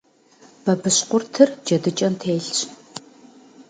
Бабыщкъуртыр джэдыкӏэм телъщ.